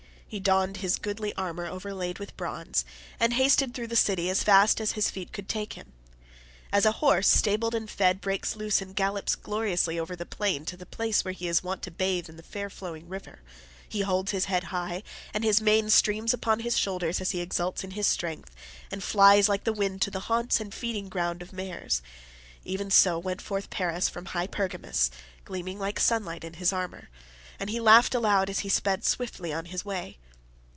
He donned his goodly armour overlaid with bronze, and hasted through the city as fast as his feet could take him. As a horse, stabled and fed, breaks loose and gallops gloriously over the plain to the place where he is wont to bathe in the fair flowing river—he holds his head high, and his mane streams upon his shoulders as he exults in his strength and flies like the wind to the haunts and feeding ground of the mares—even so went forth Paris from high Pergamus, gleaming like sunlight in his armour, and he laughed aloud as he sped swiftly on his way.